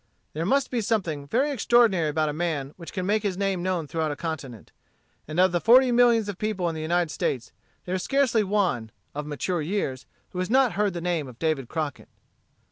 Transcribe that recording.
There must be something very extraordinary about a man which can make his name known throughout a continent. And of the forty millions of people in the United States, there is scarcely one, of mature years, who has not heard the name of David Crockett.